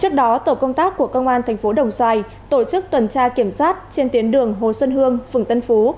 trước đó tổ công tác của công an thành phố đồng xoài tổ chức tuần tra kiểm soát trên tuyến đường hồ xuân hương phường tân phú